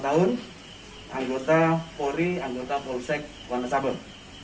tiga puluh delapan tahun anggota polri anggota polsek wana sabar